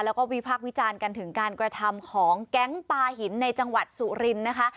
แล้วก็วิพากษ์วิจารณ์กันถึงการกระทำของแก๊งปลาหินในจังหวัดสุรินทร์นะคะ